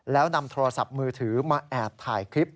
แล้วนำโทรศัพท์มือถือมาแอบถ่ายคลิป